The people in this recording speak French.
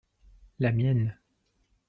la mienne.